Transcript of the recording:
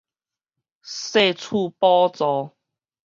稅厝補助